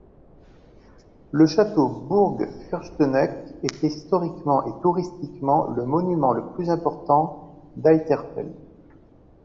Le château Burg Fürsteneck est historiquement et touristiquement le monument le plus important d'Eiterfeld.